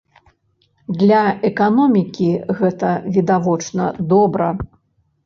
Для эканомікі гэта, відавочна, добра.